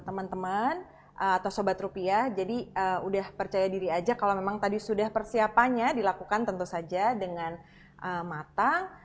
teman teman atau sobat rupiah jadi udah percaya diri aja kalau memang tadi sudah persiapannya dilakukan tentu saja dengan matang